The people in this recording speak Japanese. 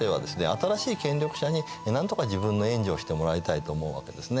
新しい権力者になんとか自分の援助をしてもらいたいと思うわけですね。